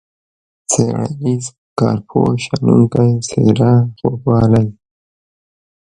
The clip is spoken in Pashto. څیړنیز، کارپوه ، شنونکی ، څیره، خوږوالی.